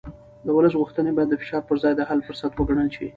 د ولس غوښتنې باید د فشار پر ځای د حل فرصت وګڼل شي